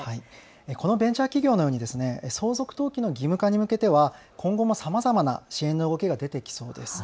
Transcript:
このベンチャー企業のように相続登記の義務化に向けては今後もさまざまな支援の動きが出てきそうです。